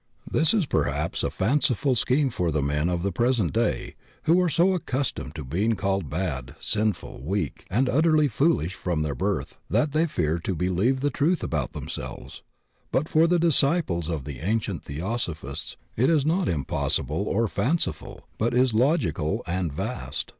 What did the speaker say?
This is perhaps a "fanciful" scheme for the men of the present day, who are so accustomed to being called bad, sinful, weak, and utterly foolish from their birth that they fear to be lieve the truth about themselves, but for the disciples of the ancient theosophists it is not impossible or fan ciful, but is logical and vast.